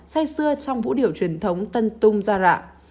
say xưa trong vũ điệu truyền thống tân tung ra rạ